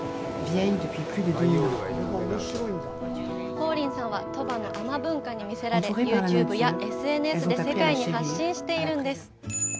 ポーリンさんは、鳥羽の海女文化に魅せられユーチューブやＳＮＳで世界に発信しているんです。